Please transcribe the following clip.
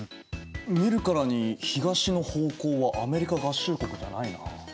見るからに東の方向はアメリカ合衆国じゃないなあ。